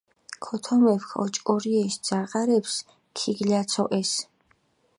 ქოთომეფქ ოჭკორიეშ ძაღარეფს ქიგლაცოჸეს.